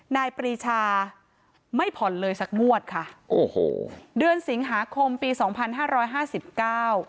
นายปรีชาไม่ผ่อนเลยสักงวดค่ะโอ้โหเดือนสิงหาคมปีสองพันห้าร้อยห้าสิบเก้า